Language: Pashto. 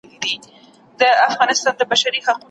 کله چي استاد درته علمي لارښوونه کوي نو ورته غوږ شئ.